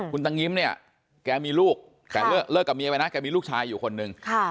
คุณตังงิ้มเนี่ยแกมีลูกแต่เลิกกับเมียไปนะแกมีลูกชายอยู่คนหนึ่ง